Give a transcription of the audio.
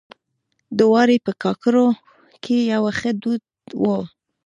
دراوۍ په کاکړو کې يو ښه دود وه.